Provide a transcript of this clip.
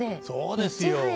そうですよ。